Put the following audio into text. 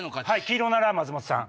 黄色なら松本さん